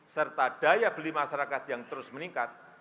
serta daya beli masyarakat yang terus meningkat